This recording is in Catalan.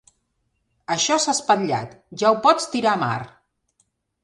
Això s'ha espatllat: ja ho pots tirar a mar!